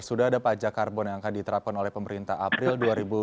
sudah ada pajak karbon yang akan diterapkan oleh pemerintah april dua ribu dua puluh